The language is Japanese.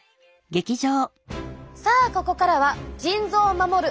さあここからは腎臓を守る